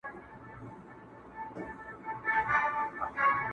نه ملوک نه کوه قاف سته نه ښکلا سته په بدرۍ کي.!